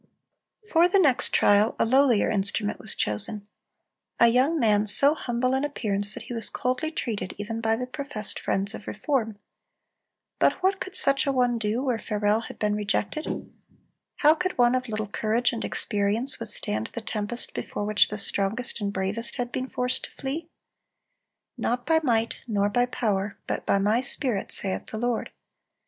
For the next trial a lowlier instrument was chosen,—a young man, so humble in appearance that he was coldly treated even by the professed friends of reform. But what could such a one do where Farel had been rejected? How could one of little courage and experience withstand the tempest before which the strongest and bravest had been forced to flee? "Not by might, nor by power, but by My Spirit, saith the Lord."